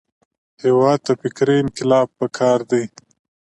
هېواد ته فکري انقلاب پکار دی